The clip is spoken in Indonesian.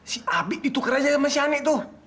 si abi dituker aja sama shani tuh